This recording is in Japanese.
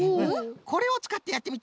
これをつかってやってみて。